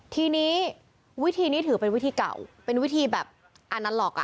ทีนี้วิธีนี้ถือเป็นวิธีเก่าเป็นวิธีแบบอันนั้นหรอก